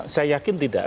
saya yakin tidak